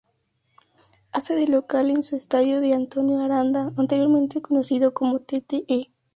Hace de local en su estadio el Antonio Aranda, anteriormente conocido como Tte.